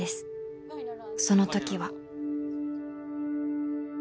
その時は